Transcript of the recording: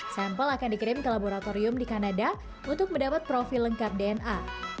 sampel akan dikirim ke laboratorium di kanada untuk mendapat profil lengkap dna